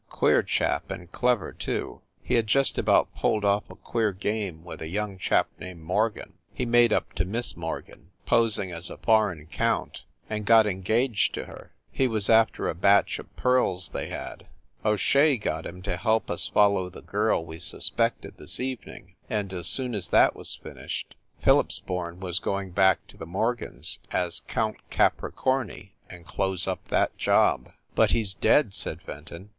Queer chap, and clever, too. He had just about pulled off a queer game with a young chap named Morgan. He made up to Miss Mor gan, posing as a foreign count, and got engaged to her. He was after a batch of pearls they had. O Shea got him to help us follow the girl we sus pected this evening, and as soon as that was finished, Phillipsborn was going back to the Morgans as Count Capricorni and close up that job." "But he s dead !" said Fenton.